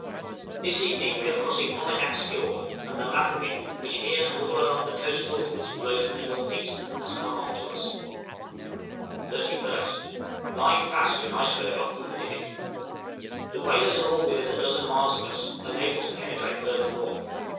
This evening we are crossing Omenak's Fiord, and the land wind, which here and all along the coast northwards blows from the N.E., has come off to us. {PROXIMITY OF THE WHALERS.} 31st. Lying fast to an iceberg off Upernivik. The whalers are all within a dozen miles of us, unable to penetrate further north.